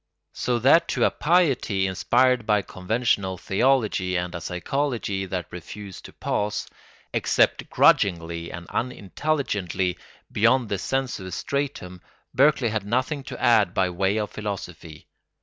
So that to a piety inspired by conventional theology and a psychology that refused to pass, except grudgingly and unintelligently, beyond the sensuous stratum, Berkeley had nothing to add by way of philosophy.